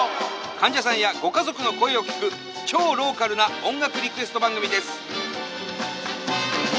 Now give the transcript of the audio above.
患者さんやご家族の声を聞く超ローカルな音楽リクエスト番組です。